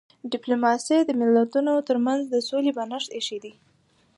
ډيپلوماسي د ملتونو ترمنځ د سولې بنسټ ایښی دی.